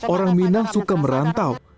orang minang suka merantau